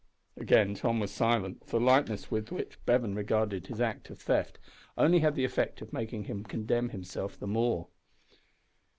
Again Tom was silent, for the lightness with which Bevan regarded his act of theft only had the effect of making him condemn himself the more.